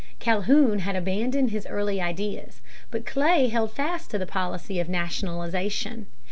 Calhoun had abandoned his early ideas. But Clay held fast to the policy of "nationalization."